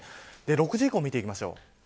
６時以降を見ていきましょう。